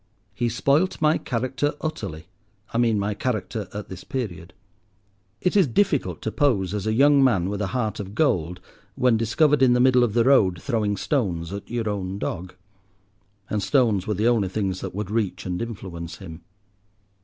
He spoilt my character utterly—I mean my character at this period. It is difficult to pose as a young man with a heart of gold, when discovered in the middle of the road throwing stones at your own dog. And stones were the only things that would reach and influence him.